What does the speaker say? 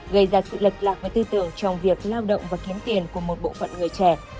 gây ra sự lệch lạc với tư tưởng trong việc lao động và kiếm tiền của một bộ phận người trẻ